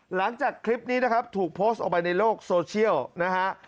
หลังจากคลิปนี้นะครับถูกโพสต์ออกไปในโลกโซเชียลนะฮะ